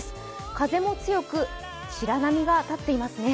風も強く、白波が立っていますね。